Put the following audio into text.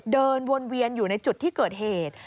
เดินวนเวียนอยู่ในจุดที่เกิดเหตุ